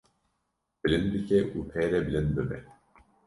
bilind bike û pê re bilind bibe.